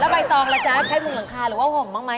ใบตองล่ะจ๊ะใช้มุงหลังคาหรือว่าห่มบ้างไหม